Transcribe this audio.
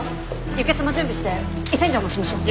輸血も準備して胃洗浄もしましょう。